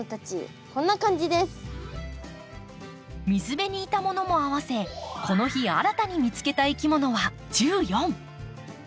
水辺にいたものも合わせこの日新たに見つけたいきものは１４。